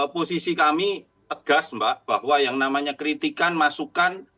posisi kami tegas mbak bahwa yang namanya kritikan masukan